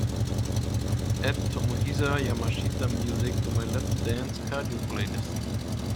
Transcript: Add tomohisa yamashita music to my Latin Dance Cardio playlist